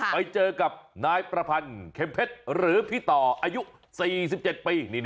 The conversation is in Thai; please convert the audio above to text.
ไปเจอกับนายประพันธ์เข็มเพชรหรือพี่ต่ออายุ๔๗ปี